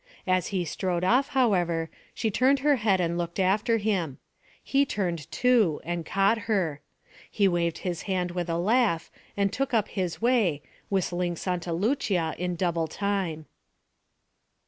As he strode off, however, she turned her head and looked after him. He turned too and caught her. He waved his hand with a laugh, and took up his way, whistling Santa Lucia in double time.